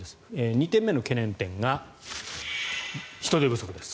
２点目の懸念点が人手不足です。